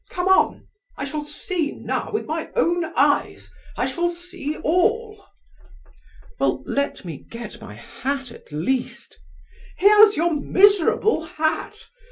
Come on! I shall see, now, with my own eyes. I shall see all." "Well, let me get my hat, at least." "Here's your miserable hat.